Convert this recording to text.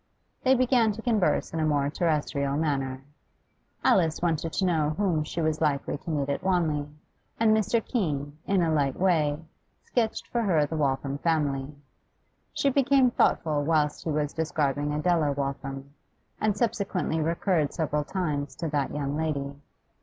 They began to converse in a more terrestrial manner. Alice wanted to know whom she was likely to meet at Wanley; and Mr. Keene, in a light way, sketched for her the Waltham family. She became thoughtful whilst he was describing Adela Waltham, and subsequently recurred several times to that young lady.